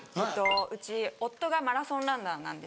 うち夫がマラソンランナーなんですけど。